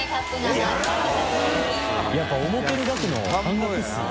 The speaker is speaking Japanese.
やっぱ思ってる額の半額ですね。